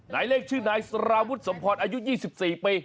นายเลขชื่อนายสารวุฒิสมพรอายุ๒๔ปี